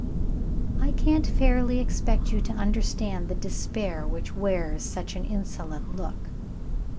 I can't fairly expect you to understand the despair which wears such an insolent look.